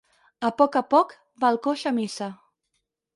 A poc a poc va el coix a missa.